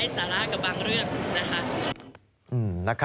อย่าไปเร่งสาระกับบางเรื่องนะคะ